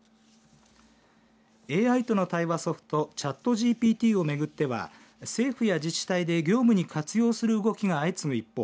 ＡＩとの対話ソフトＣｈａｔＧＰＴを巡っては政府や自治体で業務に活用する動きが相次ぐ一方